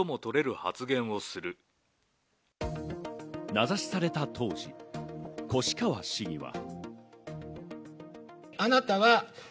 名指しされた当時、越川市議は。